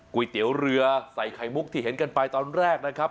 ก๋วยเตี๋ยวเรือใส่ไข่มุกที่เห็นกันไปตอนแรกนะครับ